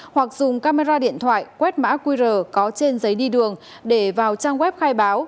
hoặc dùng camera điện thoại quét mã qr có trên giấy đi đường để vào trang web khai báo